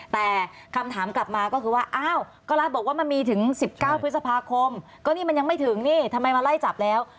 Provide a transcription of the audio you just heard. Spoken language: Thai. แต่คำถามกลับมาก็คือว่าอ้าวก็รัฐบอกว่ามันมีถึง๑๙พฤษภาคมก็นี่มันยังไม่ถึงนี่ทำไมมาไล่จับแล้ว